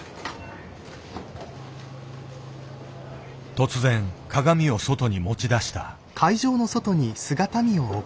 突然鏡を外に持ち出した。